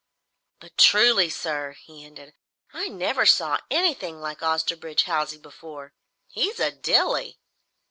"But truly sir," he ended, "I never saw anything like Osterbridge Hawsey before. He's a dilly!"